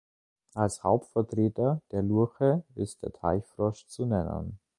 Als Hauptvertreter der Lurche ist der Teichfrosch zu nennen.